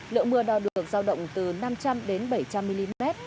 lượng mưa đo được giao động từ năm trăm linh đến bảy trăm linh mm